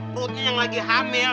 perutnya yang lagi hamil